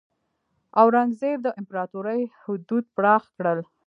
اورنګزیب د امپراتورۍ حدود پراخ کړل.